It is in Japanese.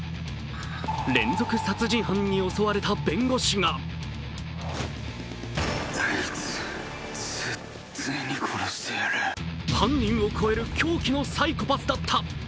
連続殺人犯に襲われた弁護士が犯人を超える狂気のサイコパスだった。